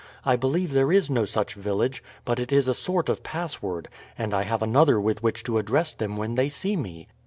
"I believe there is no such village, but it is a sort of password; and I have another with which to address them when they see me."